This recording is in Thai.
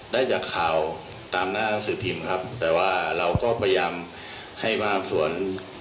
ได้จากข่าวตามหน้าหนังสือพิมพ์ครับแต่ว่าเราก็พยายามให้บางส่วน